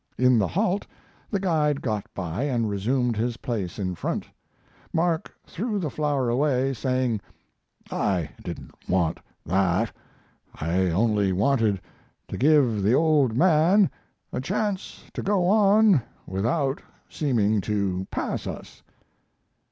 In the halt the guide got by and resumed his place in front. Mark threw the flower away, saying, "I didn't want that. I only wanted to give the old man a chance to go on without seeming to pass us."